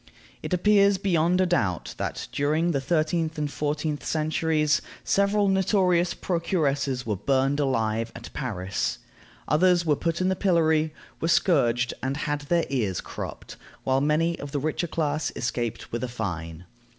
It appears beyond a doubt that, during the thirteenth and fourteenth centuries, several notorious procuresses were burned alive at Paris. Others were put in the pillory; were scourged, and had their ears cropped; while many of the richer class escaped with a fine.